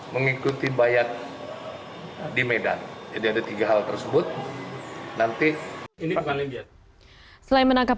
mengikuti bayat di medan jadi ada tiga hal tersebut nanti ini kembali selain menangkap